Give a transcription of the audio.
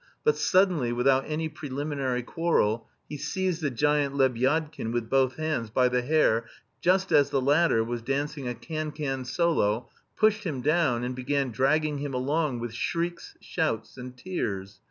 But suddenly, without any preliminary quarrel, he seized the giant Lebyadkin with both hands, by the hair, just as the latter was dancing a can can solo, pushed him down, and began dragging him along with shrieks, shouts, and tears.